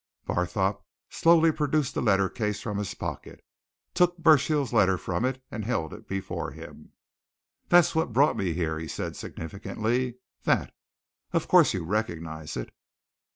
Barthorpe slowly produced the letter case from his pocket, took Burchill's letter from it, and held it before him. "That's what brought me here," he said significantly. "That! Of course, you recognize it."